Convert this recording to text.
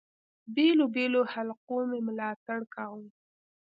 بېلو بېلو حلقو مي ملاتړ کاوه.